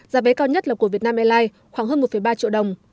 giá vé cao nhất là của việt nam airlines khoảng hơn một ba triệu đồng